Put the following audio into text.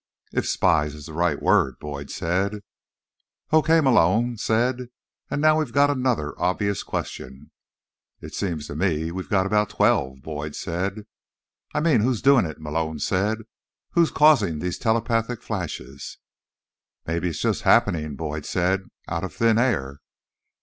"If spies is the right word," Boyd said. "Okay," Malone said. "And now we've got another obvious question." "It seems to me we've got about twelve," Boyd said. "I mean, who's doing it?" Malone said. "Who is causing these telepathic flashes?" "Maybe it's just happening," Boyd said. "Out of thin air."